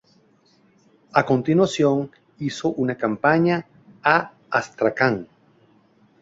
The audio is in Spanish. A continuación hizo una campaña a Astracán.